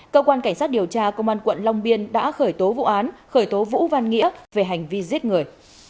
cơ quan cảnh sát điều tra công an quận long biên đã khởi tố vụ án khởi tố vũ văn nghĩa về hành vi giết người